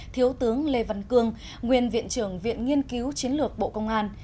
thiếu tướng lê văn cương nguyên viện trưởng viện nghiên cứu chiến lược bộ công an